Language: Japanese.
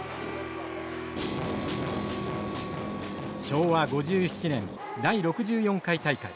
昭和５７年第６４回大会。